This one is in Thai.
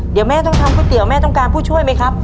เดี๋ยวแม่ต้องทำก๋วเตี๋ยแม่ต้องการผู้ช่วยไหมครับ